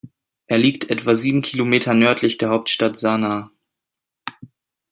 Er liegt etwa sieben Kilometer nördlich der Hauptstadt Sanaa.